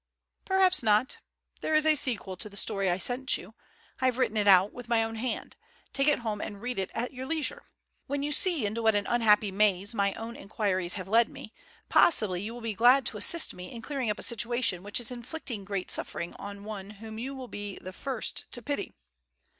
"Perhaps not. There is a sequel to the story I sent you. I have written it out, with my own hand. Take it home and read it at your leisure. When you see into what an unhappy maze my own inquiries have led me, possibly you will be glad to assist me in clearing up a situation which is inflicting great suffering on one whom you will be the first to pity.